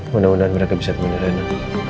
mudah mudahan mereka bisa temani reyna